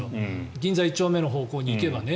銀座１丁目の方向に行けばね。